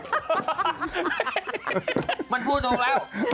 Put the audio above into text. อ๋อหน้าแม่โบเหมือนเบเบ